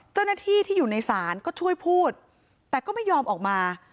เจ้าหน้าที่ที่อยู่ในศาลก็ช่วยพูดแต่ก็ไม่ยอมออกมา